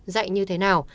dạy như thế nào